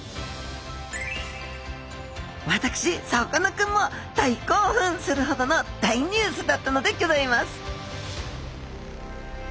私さかなクンも大興奮するほどの大ニュースだったのでギョざいます！